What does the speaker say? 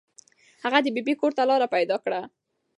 هغه د ببۍ کور ته لاره پیدا کړه.